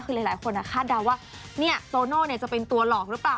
คือหลายคนอะคาดเดาว่าเนี่ยโซโน่เนี่ยจะเป็นตัวหลอกหรือเปล่า